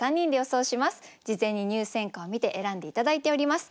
事前に入選歌を見て選んで頂いております。